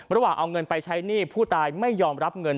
ระหว่างเอาเงินไปใช้หนี้ผู้ตายไม่ยอมรับเงิน